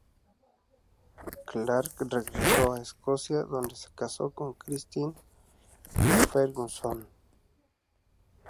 Clark regresó a Escocia donde se casó con Christine Ferguson.